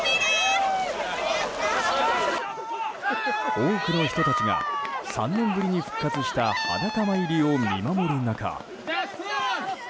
多くの人たちが、３年ぶりに復活した裸参りを見守る中。